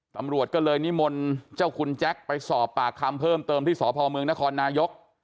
ตำรวจก็เลยนิมนต์เจ้าคุณแจ็คไปสอบปากคำเพิ่มเติมที่สพเมืองนครนายก